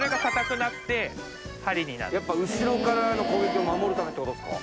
やっぱ後ろからの攻撃を守るためって事ですか？